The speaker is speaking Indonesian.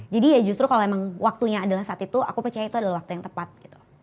jadi ya justru kalau emang waktunya adalah saat itu aku percaya itu adalah waktu yang tepat gitu